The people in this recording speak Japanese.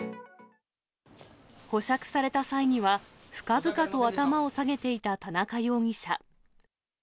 保釈された際には、深々と頭を下げていた田中容疑者。